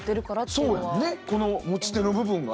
そうやねこの持ち手の部分が。